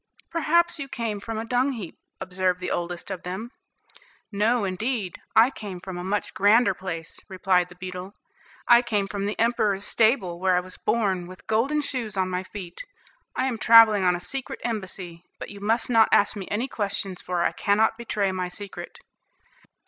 "Perhaps you came from a dung heap," observed the oldest of them. "No, indeed, I came from a much grander place," replied the beetle; "I came from the emperor's stable, where I was born, with golden shoes on my feet. I am travelling on a secret embassy, but you must not ask me any questions, for I cannot betray my secret."